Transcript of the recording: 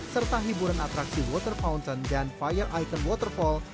serta hiburan atraksi water fountain dan fire ikon waterfall